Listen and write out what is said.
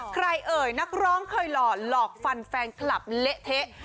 เอ่ยนักร้องเคยหล่อหลอกฟันแฟนคลับเละเทะ